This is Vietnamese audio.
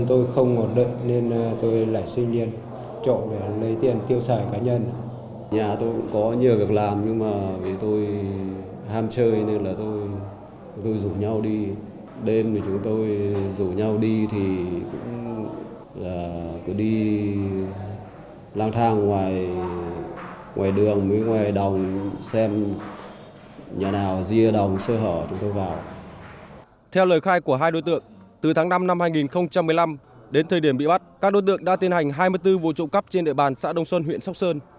theo lời khai của hai đối tượng từ tháng năm năm hai nghìn một mươi năm đến thời điểm bị bắt các đối tượng đã tiến hành hai mươi bốn vụ trộm cắp trên địa bàn xã đông xuân huyện sóc sơn